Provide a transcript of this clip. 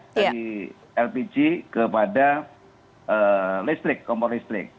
dari lpg kepada listrik kompor listrik